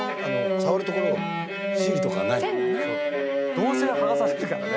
どうせ剥がされるからね」